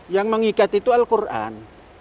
yang mengikat itu al qur an